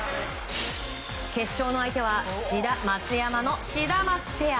決勝の相手は志田、松山のシダマツペア。